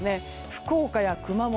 福岡や熊本。